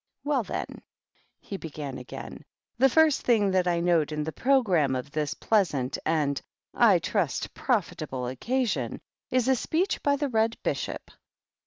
" Well, then/^ he began again, " the first thing that I note in the programme of this pleasant and, I trust, profitable occasion is a speech by the Red Bishop.